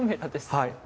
はい。